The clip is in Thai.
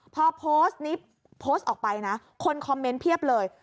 พอโพสต์นี้โพสต์ออกไปนะคนคอมเมนต์เพียบเลย